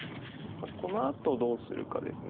このあとどうするかです。